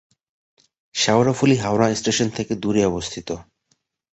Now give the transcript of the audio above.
Sheoraphuli Howrah station থেকে দূরে অবস্থিত।